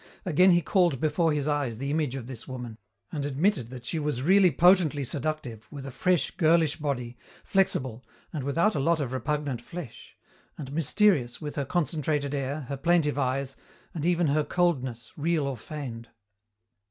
Again he called before his eyes the image of this woman, and admitted that she was really potently seductive, with a fresh, girlish body, flexible, and without a lot of repugnant flesh and mysterious, with her concentrated air, her plaintive eyes, and even her coldness, real or feigned.